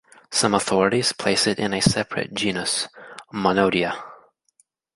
Some authorities place it in a separate genus, Monodia.